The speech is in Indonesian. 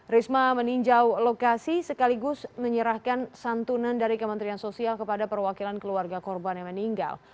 risma meninjau lokasi sekaligus menyerahkan santunan dari kementerian sosial kepada perwakilan keluarga korban yang meninggal